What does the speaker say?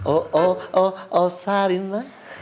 oh oh oh sarina